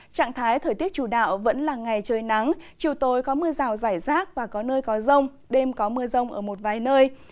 trạng thái thời tiết chủ đạo vẫn là ngày trời nắng chiều tối có mưa rào rải rác và có nơi có rông đêm có mưa rông ở một vài nơi